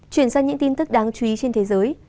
chuyển sang những tin tức đáng chú ý trên thế giới